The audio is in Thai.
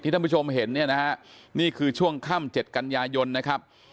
ท่านผู้ชมเห็นเนี่ยนะฮะนี่คือช่วงค่ำ๗กันยายนนะครับ